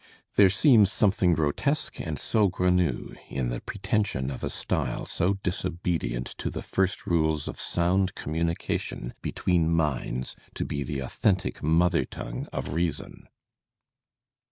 "There seems something grotesque and saugrenu in the pretension of a style so disobedient to the first rules of sound communication between minds to be the authentic mother tongue of reason."